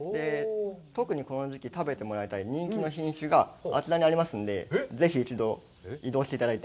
特にこの時期、食べてもらいたい人気の品種があちらにありますんで、ぜひ一度、移動していただいて。